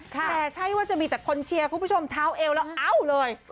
แต่ใช่ว่าจะมีคนเชียร์ท้าวเอวเอ้าเลย